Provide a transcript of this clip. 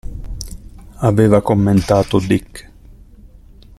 Aveva commentato Dick.